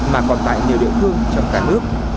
mà còn tại nhiều địa phương trong cả nước